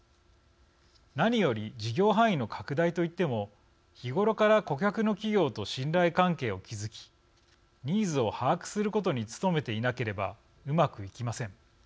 何より事業範囲の拡大と言っても日ごろから顧客の企業と信頼関係を築きニーズを把握することに努めていなければうまくいきません。